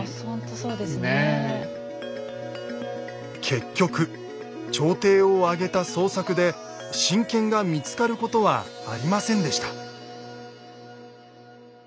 結局朝廷を挙げた捜索で神剣が見つかることはありませんでした。